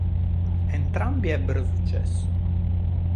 Entrambi ebbero successo.